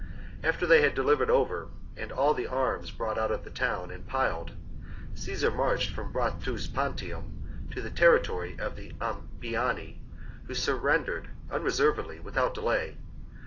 After they had been delivered over and all the arms brought out of the town and piled, Caesar marched from Bratuspantium to the territory of the Ambiani, who surrendered unreservedly without delay.